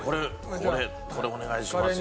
これお願いしますよ